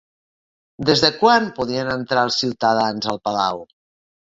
Des de quan podien entrar els ciutadans al Palau?